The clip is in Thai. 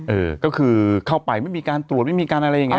เออก็คือเข้าไปไม่มีการตรวจไม่มีการอะไรอย่างนี้